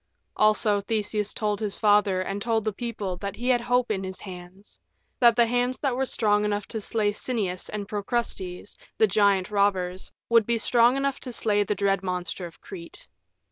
Also Theseus told his father and told the people that he had hope in his hands that the hands that were strong enough to slay Sinnias and Procrustes, the giant robbers, would be strong enough to slay the dread monster of Crete.